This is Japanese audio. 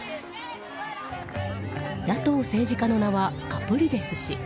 野党政治家の名前はカプリレス氏。